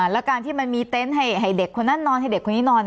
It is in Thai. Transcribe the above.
แล้วการที่มันมีเต็นต์ให้เด็กคนนั้นนอนให้เด็กคนนี้นอน